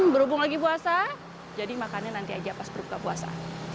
berhubung lagi puasa jadi makannya nanti aja pas berbuka puasa